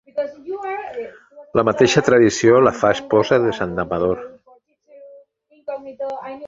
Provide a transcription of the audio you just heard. La mateixa tradició la fa esposa de Sant Amador.